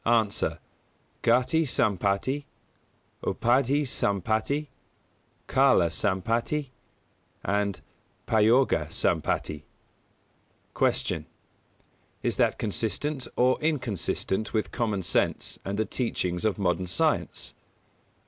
_ A. Gati Sampatti, Upādhi Sampatti, Kāla Sampatti and Payoga Sampatti. 141. Q. _Is that consistent or inconsistent with common sense and the teachings of modern science?